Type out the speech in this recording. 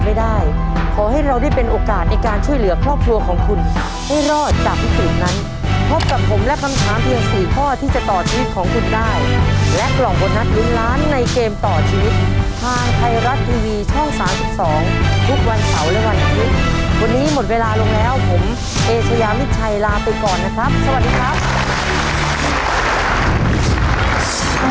วันนี้หมดเวลาแล้วผมเอเชยามิจฉัยลาไปก่อนนะครับสวัสดีครับ